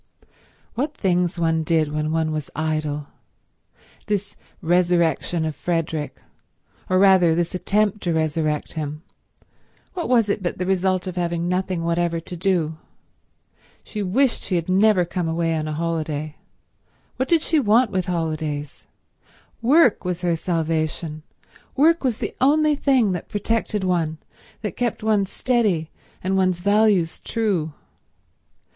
What things one did when one was idle. This resurrection of Frederick, or rather this attempt to resurrect him, what was it but the result of having nothing whatever to do? She wished she had never come away on a holiday. What did she want with holidays? Work was her salvation; work was the only thing that protected one, that kept one steady and one's values true.